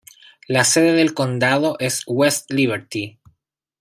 La sede del condado es West Liberty.